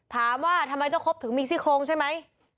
ถามว่าทำไมเจ้าครบถึงมีซี่โครงใช่ไหม